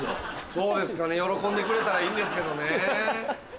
そうですかね喜んでくれたらいいんですけどね。